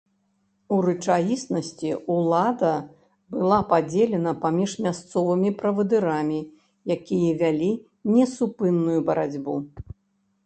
У рэчаіснасці, улада была падзелена паміж мясцовымі правадырамі, якія вялі несупынную барацьбу.